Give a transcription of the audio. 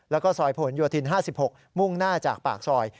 แล้วก็ซอยผลโยธิน๕๖มุ่งหน้าจากปากซอย